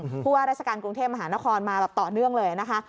เพราะว่าราชการกรุงเทพมหานครมาแบบต่อเนื่องเลยนะคะ